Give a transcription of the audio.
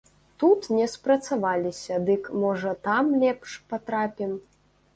Тут не спрацаваліся, дык, можа, там лепш патрапім.